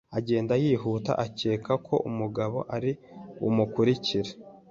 Agenda yihuta akeka ko umugabo ari bumukurikire